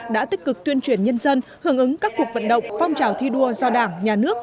đã tích cực tuyên truyền nhân dân hưởng ứng các cuộc vận động phong trào thi đua do đảng nhà nước